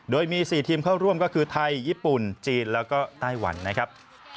โดยมี๔ทีมเข้าร่วมก็คือไทยญี่ปุ่นจีนแล้วก็ไต้หวันนะครับ